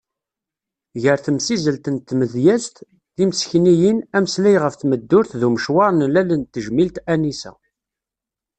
Gar temsizelt n tmedyazt, timsikniyin, ameslay ɣef tmeddurt d umecawar n lal n tejmilt Anisa.